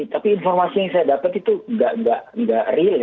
tapi informasi yang saya dapat itu tidak real